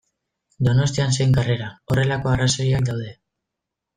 Donostian zen karrera, horrelako arrazoiak daude.